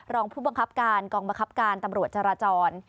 รองผู้บังคับการกองบังคับการตำรวจจราจร